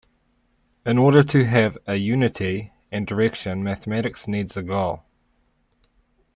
In order to have a unity and direction mathematics needs a goal.